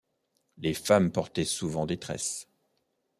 Les femmes portaient souvent des tresses.